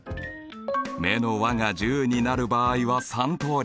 目の和が１０になる場合は３通り。